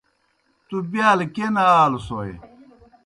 تُوْ بِیال کیْہ نہ آلوْسوئے؟